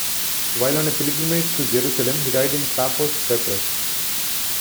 While on a pilgrimage to Jerusalem he died in Paphos, Cyprus.